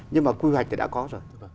nhưng mà quy hoạch thì đã có rồi